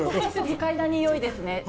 嗅いだにおいですね。